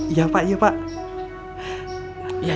iya pak iya pak